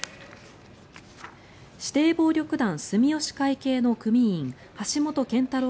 指定暴力団住吉会系の組員橋本健太郎